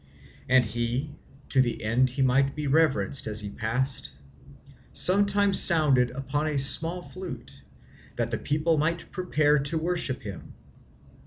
And he (to the end he might be reverenced as he passed) sometimes sounded upon a small flute, that the people might prepare to worship him.